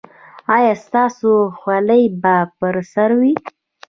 ایا ستاسو خولۍ به پر سر وي؟